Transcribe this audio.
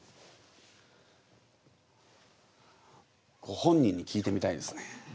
ご本人に聞いてみたいですね。